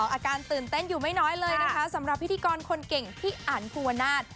อาการตื่นเต้นอยู่ไม่น้อยเลยนะคะสำหรับพิธีกรคนเก่งพี่อันภูวนาศ